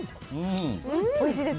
おいしいです？